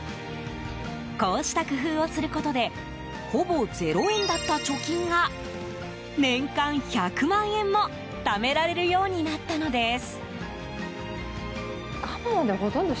こうした工夫をすることでほぼ０円だった貯金が年間１００万円もためられるようになったのです。